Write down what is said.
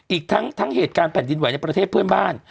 อีกทั้งเหตุการณ์แผ่นดินไหวในประเทศเพื่อนบ้าน